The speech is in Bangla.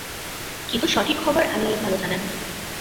কিন্তু সঠিক খবর আল্লাহই ভাল জানেন।